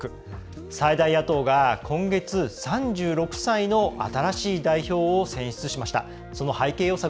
最大野党が今月、３６歳の新しい代表を選出しました。